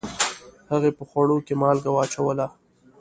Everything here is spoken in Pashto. هغې په خوړو کې مالګه واچوله